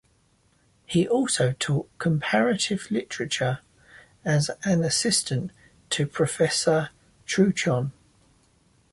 He also taught comparative literature as an assistant to Professor Trouchon.